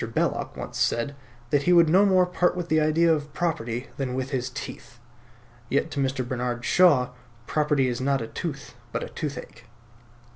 Belloc once said that he would no more part with the idea of property than with his teeth; yet to Mr. Bernard Shaw property is not a tooth, but a toothache.